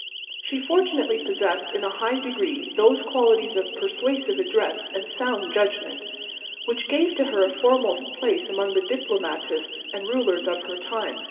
She fortunately possessed in a high degree those qualities of persuasive address and sound judgment, which gave to her a foremost place among the diplomatists and rulers of her time.